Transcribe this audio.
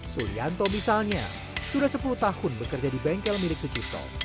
sulianto misalnya sudah sepuluh tahun bekerja di bengkel milik sucipto